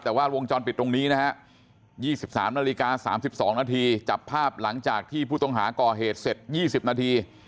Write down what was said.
แต่ว่าวงจรปิดตรงนี้นะฮะ๒๓นาฬิกา๓๒นาทีจับภาพหลังจากที่ผู้ต้องหาก่อเหตุเสร็จ๒๐นาที